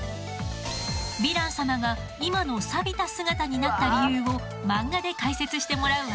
ヴィラン様が今のサビた姿になった理由を漫画で解説してもらうわ。